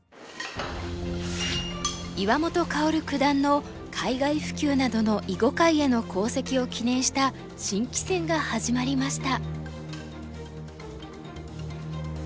岩本薫九段の海外普及などの囲碁界への功績を記念した新棋戦が始まりました。